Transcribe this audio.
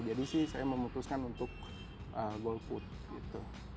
jadi sih saya memutuskan untuk golput